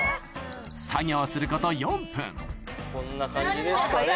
作業することこんな感じですかね。